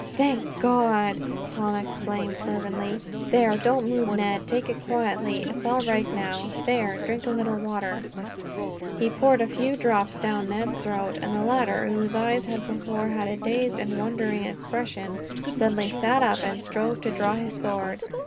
"Thank God!" Tom exclaimed fervently. "There, don't move, Ned. Take it quietly. It's all right now. There, drink a little water." He poured a few drops down Ned's throat, and the latter, whose eyes had before had a dazed and wondering expression, suddenly sat up and strove to draw his sword.